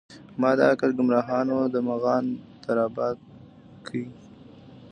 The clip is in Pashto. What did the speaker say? مــــــــا د عـــــــقل ګــــمراهانو د مغان در اباد کړی